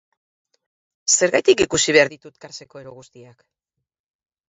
Zergatik ikusi behar ditut Karseko ero guztiak?